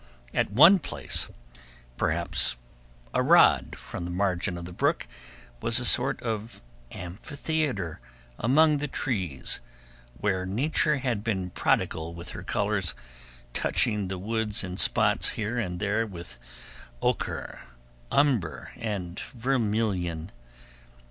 At one place, perhaps a rod from the margin of the brook, was a sort of amphitheater among the trees, where nature had been prodigal with her colors, touching the woods in spots here and there with ocher, umber, and vermilion.